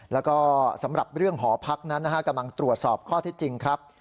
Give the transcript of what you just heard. แล้วก็สำหรับเรื่องหอพักนั้นกำลังตรวจสอบข้อที่จริงครับ